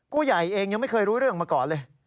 ผู้ใหญ่เองยังไม่เคยรู้เรื่องมาก่อนเลย